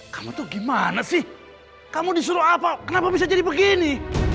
kamu tuh gimana sih kamu disuruh apa kenapa bisa jadi begini